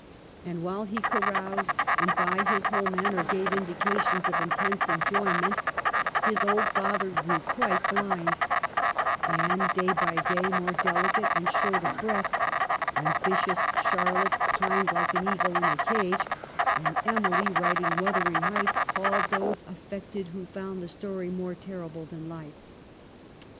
And while he ca roused, " and by his whole manner gave indica tions of intense enjoyment," 1 his old father grew quite blind, Anne day by day more delicate and short of breath, ambitious Charlotte pined like an eagle in a cage, and Emily, writing ' Wither ing Heights/ called those affected who found the story more terrible than life.